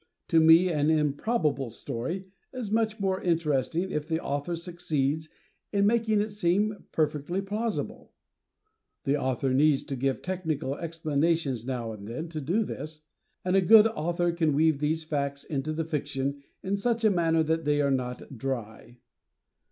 To me, an "improbable" story is much more interesting if the author succeeds in making it seem perfectly plausible. The author needs to give technical explanations now and then to do this; and a good author can weave these facts into the fiction in such a manner that they are not dry.